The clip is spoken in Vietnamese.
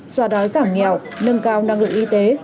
xoa đói giảm nghèo nâng cao năng lượng y tế